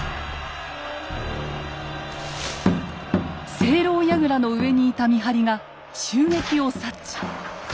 井楼やぐらの上にいた見張りが襲撃を察知。